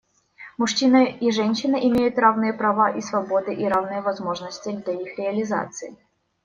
Мужчина и женщина имеют равные права и свободы и равные возможности для их реализации.